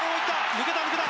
抜けた抜けた！